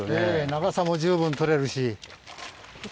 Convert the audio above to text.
長さも十分取れるし。